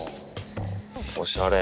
おしゃれ。